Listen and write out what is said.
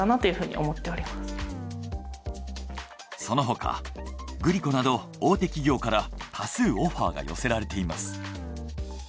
そのほかグリコなど大手企業から多数オファーが寄せられています。